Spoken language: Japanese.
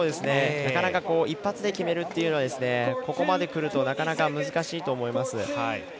なかなか一発で決めるというのはここまでくると難しいと思います。